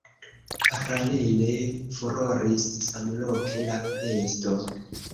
Paralele furoris samloke la pesto.